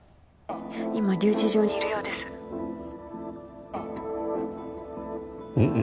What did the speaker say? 今留置場にいるようですん？